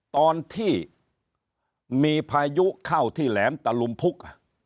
ตอนที่มีพายุเข้าที่แหลมตะลุมพุก